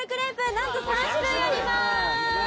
何と３種類あります！